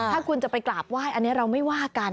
ถ้าคุณจะไปกราบไหว้อันนี้เราไม่ว่ากัน